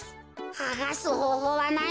はがすほうほうはないのか？